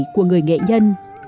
của người nghệ nhân